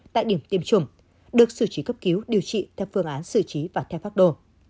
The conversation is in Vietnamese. tại điểm tiêm chủng được xử trí cấp cứu điều trị theo phương án xử trí và theo pháp đồ